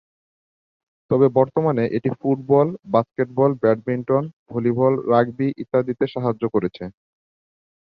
তবে বর্তমানে এটি football, basketball, badminton, volleyball, rugby ইত্যাদিতে সাহায্য করছে।